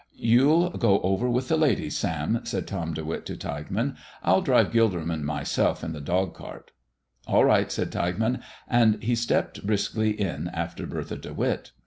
"You'll go over with the ladies, Sam," said Tom De Witt to Tilghman. "I'll drive Gilderman myself in the dog cart." "All right," said Tilghman, and he stepped briskly in after Bertha De Witt.